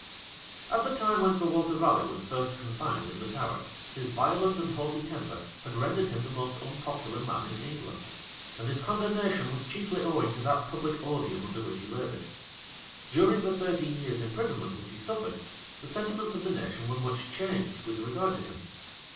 } At the time when Sir Waller Raleigh was first confined in the Tower, his violent and haughty temper had rendered him the most unpopular man in England; and his condemnation was chiefly owing to that public odium under which he labored. During the thirteen years' imprisonment which he suffered, the sentiments of the nation were much changed with regard to him.